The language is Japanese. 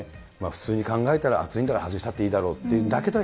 普通に考えたら、暑いから外していいだろう、だけど、